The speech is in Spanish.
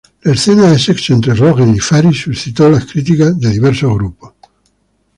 La escena de sexo entre Rogen y Faris suscitó las críticas de diversos grupos.